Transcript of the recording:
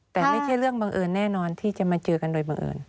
แต่ไม่ใช่เรื่องบังเอิญแน่นอนที่จะมาเจอกันโดยบังเอิญ